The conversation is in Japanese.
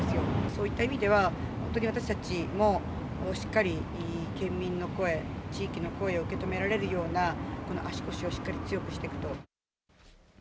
そういった意味では私たちもしっかり県民の声、地域の声、受け止められるような足腰をしっかり強くしていくと。